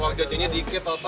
uang jodohnya sedikit toto